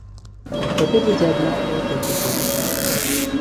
Тады будзе адна крыўда і боль.